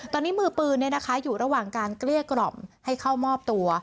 ตอนนี้มือปืนอยู่ระหว่างการเกลี้ยกล่อมให้เข้ามอบตัว